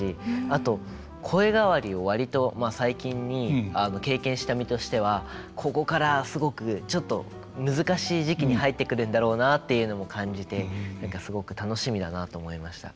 あと声変わりを割と最近に経験した身としてはここからすごくちょっと難しい時期に入ってくるんだろうなっていうのも感じて何かすごく楽しみだなと思いました。